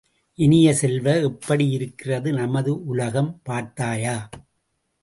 இனிய செல்வ, எப்படி இருக்கிறது நமது உலகம், பார்த்தாயா?